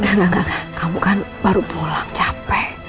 engga engga kamu kan baru pulang capek